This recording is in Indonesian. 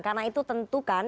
karena itu tentukan